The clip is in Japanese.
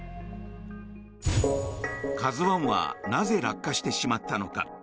「ＫＡＺＵ１」はなぜ落下してしまったのか。